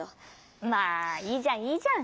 まあいいじゃんいいじゃん！